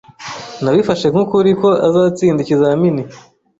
Nabifashe nk'ukuri ko azatsinda ikizamini.